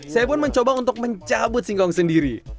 saya pun mencoba untuk mencabut singkong sendiri